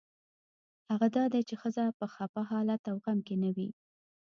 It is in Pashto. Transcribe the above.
هغه دا دی چې ښځه په خپه حالت او غم کې نه وي.